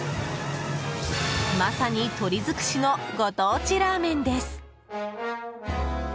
まさに鶏づくしのご当地ラーメンです。